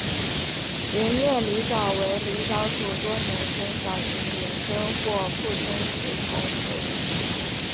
圆叶狸藻为狸藻属多年生小型岩生或附生食虫植物。